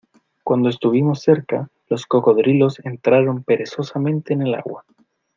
cuando estuvimos cerca, los cocodrilos entraron perezosamente en el agua.